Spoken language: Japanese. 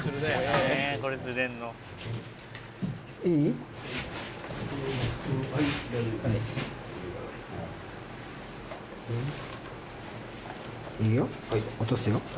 いいよ。